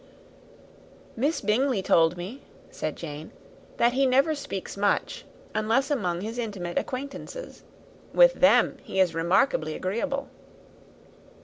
"Miss Bingley told me," said Jane, "that he never speaks much unless among his intimate acquaintance. With them he is remarkably agreeable."